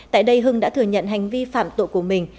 tại đây hưng đã thừa nhận hành vi phạm tội của mình